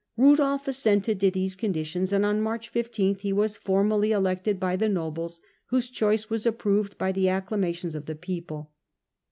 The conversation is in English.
Rudolf of Budolf assented to these conditions, and on elected king March 15 he was formally elected by the nobles, whose choice was approved by the acclamations of the people.